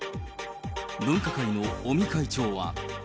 分科会の尾身会長は。